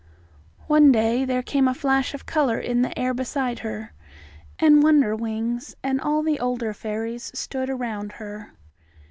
One day there came a flash of colour in the air beside her, and Wonderwings and all the older fairies stood around her.